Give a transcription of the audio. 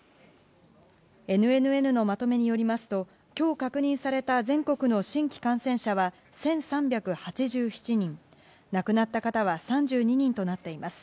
ＮＮＮのまとめによりますと今日確認された全国の新規感染者は１３８７人亡くなった方は３２人となっています。